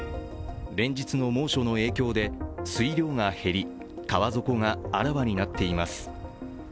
連日の猛暑の影響で水量が減り、川底があらわになっています。